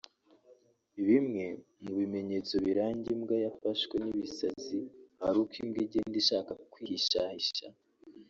Bimwe mu bimenyetso biranga imbwa yafashwe n’ibisazi hari uko imbwa igenda ishaka kwihishahisha